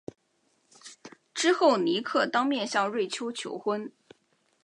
之后尼克当面向瑞秋求婚。